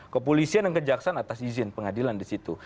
kepolisian dan kejaksaan atas izin pengadilan di situ